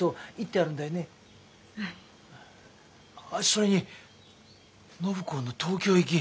それに暢子の東京行き。